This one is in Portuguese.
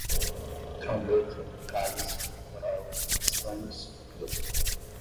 trombeta, cálice, corola, estames, fruto